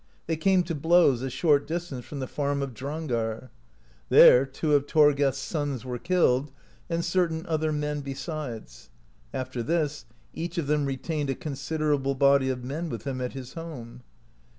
They came to blows a short distance from the farm of Drangar (20). There two of Thorgest's sons were killed and certain other men besides. After this each of them re tained a considerable body of men with him at his home.